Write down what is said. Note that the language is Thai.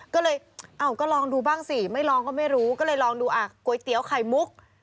ก็เลยเอ้าก็ลองดูบ้างสิไม่ลองก็ไม่รู้ก็เลยลองดูอ่ะก๋วยเตี๋ยวไข่มุก